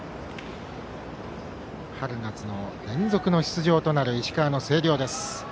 春夏の連続の出場となる石川の星稜です。